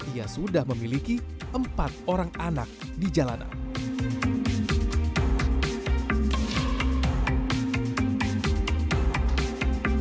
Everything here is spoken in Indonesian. ia sudah memiliki empat orang anak di jalanan